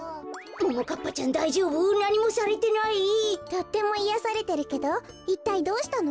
とってもいやされてるけどいったいどうしたの？